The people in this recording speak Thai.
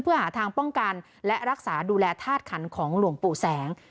เพื่อหาทางป้องกันและรักษาดูแลธาตุขันของหลวงปู่แสง